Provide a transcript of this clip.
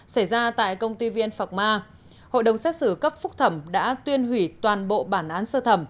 xảy ra tại công ty viên phạc ma hội đồng xét xử cấp phúc thẩm đã tuyên hủy toàn bộ bản án sơ thẩm